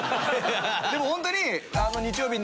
でもホントに。